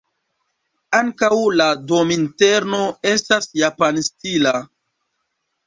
Ankaŭ la dominterno estas japanstila.